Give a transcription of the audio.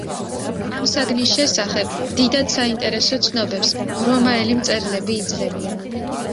ამ საგნის შესახებ დიდად საინტერესო ცნობებს რომაელი მწერლები იძლევიან.